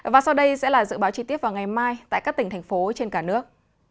và sau đây sẽ là dự báo chi tiết vào ngày mai tại các tỉnh thành phố trên cả nước